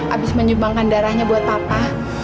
habis menyumbangkan darahnya buat papa